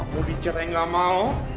kamu dicerai tidak mau